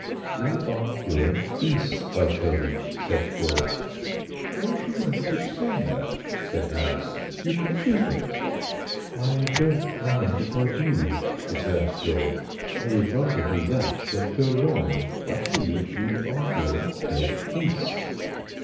"We are going east, I tell you," said George. "I wish you wouldn't keep saying that," said Harris, "you confuse me." "I don't mind if I do," returned George; "I would rather do that than go wrong. I tell you we are going dead east."